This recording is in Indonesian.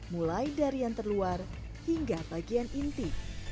mulai dari yang terluar hingga bagian inti